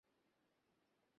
Noodles চুলওয়ালা বোকাচোদা!